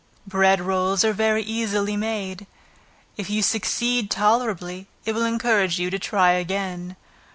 Bread rolls are very easily made. If you succeed tolerably, it will encourage you to try again.